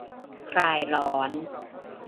คลายร้อน